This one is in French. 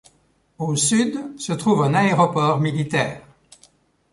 Au sud se trouve un aéroport militaire.